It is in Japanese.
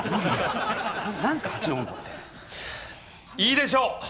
いいでしょう！